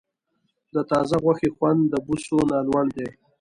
د تازه غوښې خوند د بوسو نه لوړ دی.